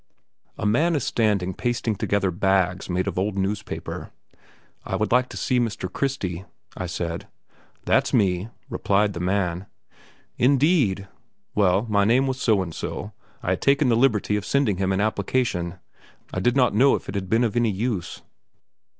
A man is standing pasting together bags made of old newspaper. "I would like to see Mr. Christie," I said. "That's me!" replied the man. "Indeed!" Well, my name was so and so. I had taken the liberty of sending him an application, I did not know if it had been of any use.